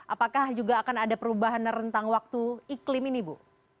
apakah juga akan ada perubahan rentang waktu iklim ini bu